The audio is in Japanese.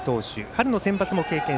春のセンバツも経験。